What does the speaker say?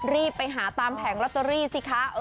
รีบไปหาตามแผงลอตเตอรี่สิคะ